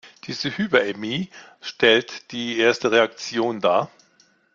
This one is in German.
Diese Hyperämie stellt die erste Reaktion da.